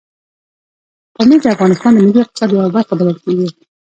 پامیر د افغانستان د ملي اقتصاد یوه برخه بلل کېږي.